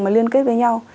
mà liên kết với nhau